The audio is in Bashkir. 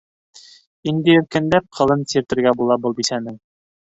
Инде иркенләп ҡылын сиртергә була был бисәнең.